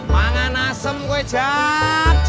makan asem gue jak